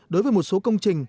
đối với một số công trình